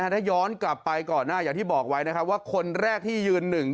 ถ้าย้อนกลับไปก่อนที่ที่บอกไว้คนแรกที่ยื่นหนึ่ง